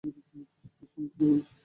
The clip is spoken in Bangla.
কসম করে বলছি।